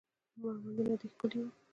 مړوندونه دې ښکلي وه